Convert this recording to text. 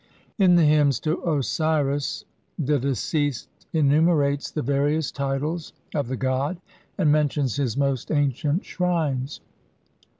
In the hymns to Osiris the deceased enumerates the various titles of the god and mentions his most ancient shrines.